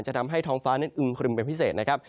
จะทำให้ท้องฟ้านั้นอึมครึมเป็นพิเศษนะครับ